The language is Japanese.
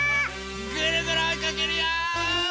ぐるぐるおいかけるよ！